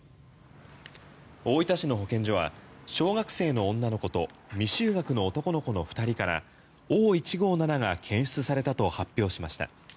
大分市の保健所は小学生の女の子と未就学の男の子の２人からＯ−１５７が検出されたと発表しました。